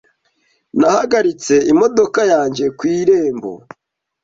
Nahagaritse imodoka yanjye ku irembo .